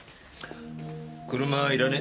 車いらね。